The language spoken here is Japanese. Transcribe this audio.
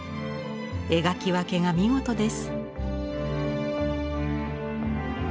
描き分けが見事です。